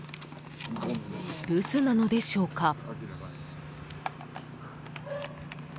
留守なのでしょうか。